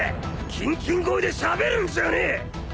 キンキン声でしゃべるんじゃねえ！